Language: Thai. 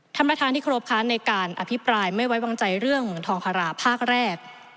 ท่านประธานที่ครบคะในการอภิปรายไม่ไว้วางใจเรื่องเหมืองทองคาราภาคแรก